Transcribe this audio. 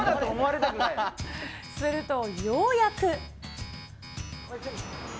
すると、ようやく。